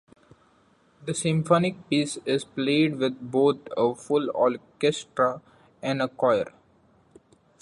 This symphonic piece is played with both a full orchestra and a choir.